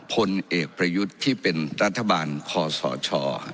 พลเอกประยุทธ์ที่เป็นรัฐบาลคอสช